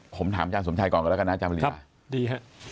ผมถามอาจารย์สวัสดีครับสวัสดีครับ